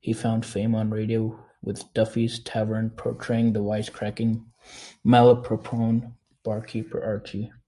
He found fame on radio with "Duffy's Tavern", portraying the wisecracking, malaprop-prone barkeeper Archie.